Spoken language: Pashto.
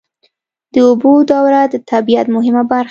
د اوبو دوره د طبیعت مهمه برخه ده.